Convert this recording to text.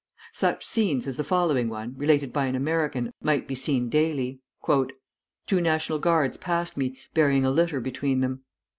Such scenes as the following one, related by an American, might be seen daily: "Two National Guards passed me, bearing a litter between them.